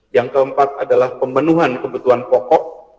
yang keempat adalah pemenuhan kebutuhan pokok